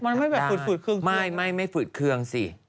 มันไม่แบบฝืดเครื่องไม่ไม่ฝืดเครื่องสิ